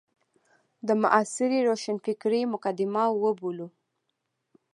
د معاصرې روښانفکرۍ مقدمه وبولو.